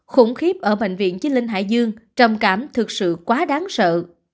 khủng khiếp ở bệnh viện chí linh hải dương trầm cảm thực sự quá đáng sợ